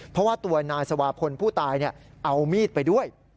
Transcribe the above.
เพราะว่าตัวนายสวาพลผู้ตายเอามีดไปด้วย